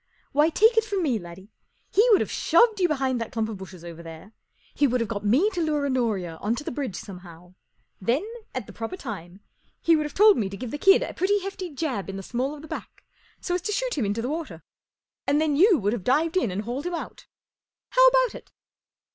Why, take it from me, laddie, he would have shoved you behind that clump of bushes over there ; he would have got me to lure Honoria on to the bridge somehow ; then, at the proper time, he would have told me to give the kid a pretty hefty jab in the small of the back, so as to shoot him into the water ; and then you would have dived in and hauled him out. How about it